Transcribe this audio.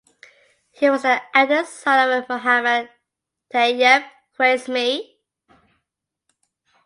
He was the eldest son of Muhammad Tayyib Qasmi.